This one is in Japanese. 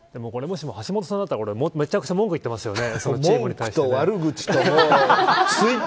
橋下さんだったらめちゃくちゃ文句言ってますよね